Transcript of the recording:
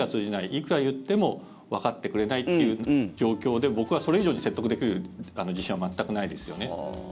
いくら言ってもわかってくれないという状況で僕はそれ以上に説得できる自信は全くないですよね。